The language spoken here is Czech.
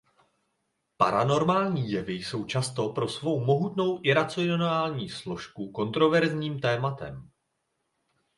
Paranormální jevy jsou často pro svou mohutnou iracionální složku kontroverzním tématem.